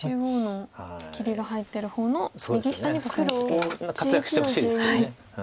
そこ活躍してほしいですけど。